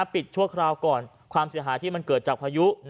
ชั่วคราวก่อนความเสียหายที่มันเกิดจากพายุ